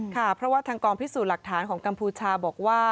ค่ะเพราะว่าทางกองพิสูจน์หลักฐานของกัมพูชาบอกว่า